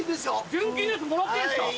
純金のやつもらっていいんですか。